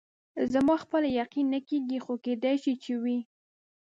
زما خپله یقین نه کېږي، خو کېدای شي چې وي.